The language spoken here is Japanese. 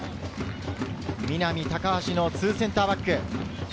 南、高橋のツーセンターバック。